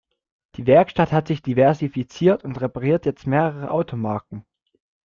Die Werkstatt hat sich diversifiziert und repariert jetzt mehrere Automarken.